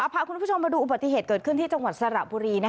พาคุณผู้ชมมาดูอุบัติเหตุเกิดขึ้นที่จังหวัดสระบุรี